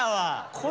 これ。